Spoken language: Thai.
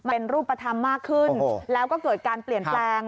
เป็นรูปธรรมมากขึ้นแล้วก็เกิดการเปลี่ยนแปลง